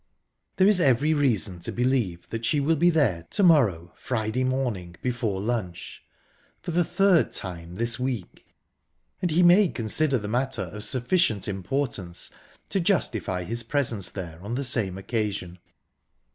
There is every reason to believe that she will be there to morrow (Friday) morning before lunch, for the third time this week, and he may consider the matter of sufficient importance to justify his presence there on the same occasion.